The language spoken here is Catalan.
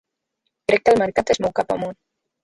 Crec que el mercat es mou cap amunt.